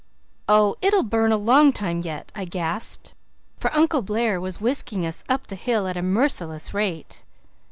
"Oh, it will burn a long time yet," I gasped, for Uncle Blair was whisking us up the hill at a merciless rate.